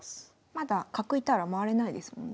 まだ角いたら回れないですもんね。